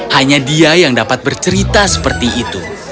hanya dia yang dapat bercerita seperti itu